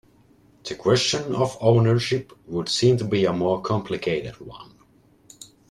The question of ownership would seem to be a more complicated one.